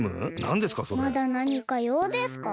まだなにかようですか？